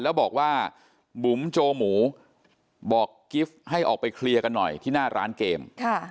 แล้วบุ๋มโจหมูให้ออกไปคลีย์กันหน่อยที่หน้าร้านเกม